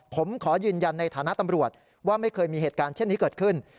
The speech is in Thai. ผมขอยืนยันในฐานะตำรวจว่าไม่เคยมีเหตุการณ์เช่นนี้เกิดขึ้น